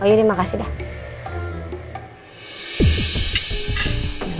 oh iya nih makasih dah